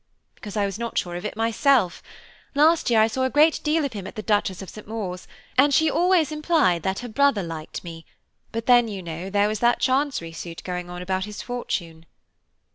"Because I was not sure of it myself. Last year I saw a great deal of him at the Duchess of St. Maur's, and she always implied that her brother liked me; but then, you know, there was that Chancery suit going on about his fortune."